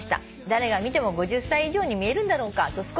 誰が見ても５０歳以上に見えるんだろうかと少し落ち込みました」